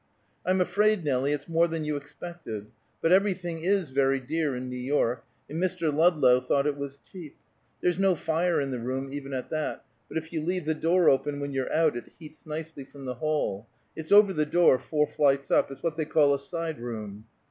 "I'm afraid, Nelie, it's more than you expected. But everything is very dear in New York, and Mr. Ludlow thought it was cheap. There's no fire in the room, even at that, but if you leave the door open when you're out, it heats nicely from the hall. It's over the door, four flights up; it's what they call a side room."